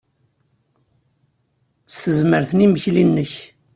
S tezmert n yimekli-ik.